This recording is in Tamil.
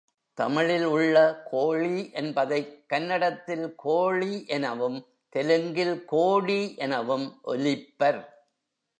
தமிழில் உள்ள கோழி என்பதைக் கன்னடத்தில் கோளி எனவும், தெலுங்கில் கோடி எனவும் ஒலிப்பர்.